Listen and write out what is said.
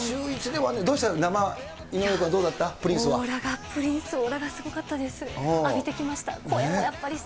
もう、オーラがすごかったです。